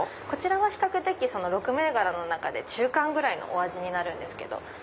こちらは比較的６銘柄の中で中間ぐらいのお味になるんです。